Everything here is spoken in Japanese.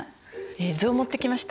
図を持ってきました。